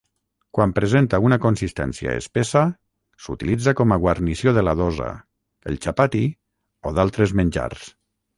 Quan presenta una consistència espessa, s'utilitza com a guarnició de la Dosa, el Chapati o d'altres menjars.